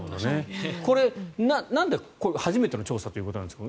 これ、なんで初めての調査ということなんですか。